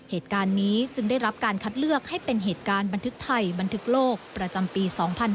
เหตุการณ์นี้จึงได้รับการคัดเลือกให้เป็นเหตุการณ์บันทึกไทยบันทึกโลกประจำปี๒๕๕๙